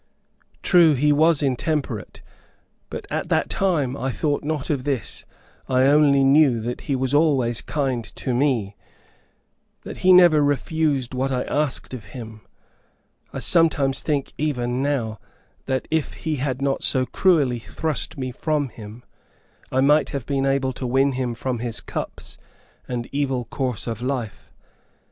True he was intemperate, but at that time I thought not of this; I only knew that he was always kind to me, that he never refused what I asked of him. I sometimes think, even now, that if he had not so cruelly thrust me from him, I might have been able to win him from his cups and evil course of life.